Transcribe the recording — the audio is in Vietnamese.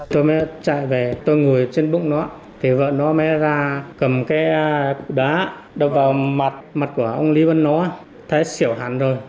tôi mới chạy về tôi ngồi trên bụng nó thì vợ nó mới ra cầm cái đá đập vào mặt mặt của ông lý văn nó thái xỉu hẳn rồi